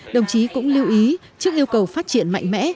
đồng chí cũng lưu ý trước yêu cầu phát triển mạnh mẽ